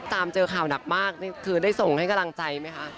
ตามเจอข่าวหนักมากนี่คือได้ส่งให้กำลังใจไหมคะ